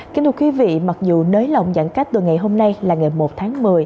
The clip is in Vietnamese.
kính thưa quý vị mặc dù nới lỏng giãn cách từ ngày hôm nay là ngày một tháng một mươi